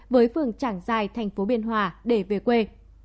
với phường trảng dài tp biên hòa để về quê